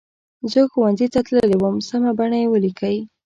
زه ښوونځي ته تللې وم سمه بڼه یې ولیکئ.